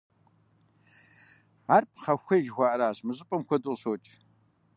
Ар пхъэхуей жыхуаӀэращ, мы щӀыпӀэм куэду къыщокӀ.